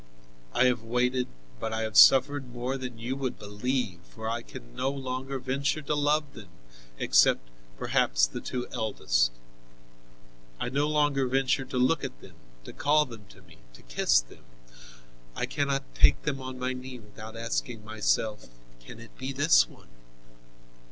I have waited, but I have suffered more than you would believe, for I can no longer venture to love them, except, perhaps, the two eldest; I no longer venture to look at them, to call them to me, to kiss them; I cannot take them on my knee without asking myself, 'Can it be this one?'